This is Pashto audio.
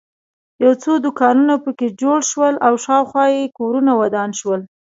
یو څو دوکانونه په کې جوړ شول او شاخوا یې کورونه ودان شول.